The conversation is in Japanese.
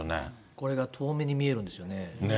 これが遠目に見えるんですよね。